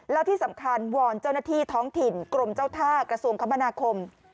แล้วที่สำคัญวอนเจ้าหน้าที่ท้องถิ่นกรมเจ้าท่ากระทรวงคมนาคม